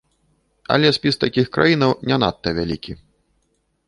Але спіс такіх краінаў не надта вялікі.